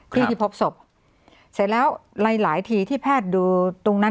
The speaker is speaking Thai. ที่ที่พบศพเสร็จแล้วหลายหลายทีที่แพทย์ดูตรงนั้น